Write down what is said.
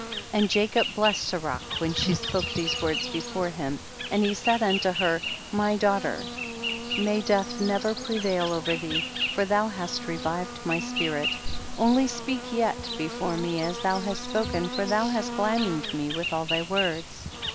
98. And Jacob blessed Serach when she spoke these words before him, and he said unto her, my daugh ter, may death never prevail over thee, for thou hast revived my spirit ; only speak yet before me as thou hast spoken, for thou hast gladdened me with all thy words.